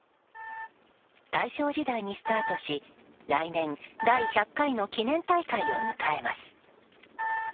大正時代にスタートし、来年第１００回の記念大会を迎えます。